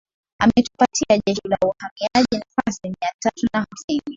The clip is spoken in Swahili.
Ametupatia Jeshi la Uhamiaji nafasi mia tatu na hamsini